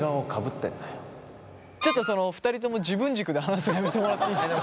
ちょっとその２人とも自分軸で話すのやめてもらっていいですか？